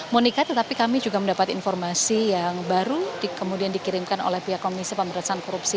monika tetapi kami juga mendapat informasi yang baru kemudian dikirimkan oleh pihak komisi pemerintahan korupsi